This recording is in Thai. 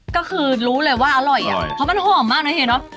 ก็คือรู้เลยว่าอร่อยนะเพราะมันห่วงมากน่ะทีเนอะอร่อย